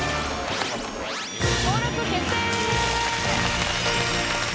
登録決定！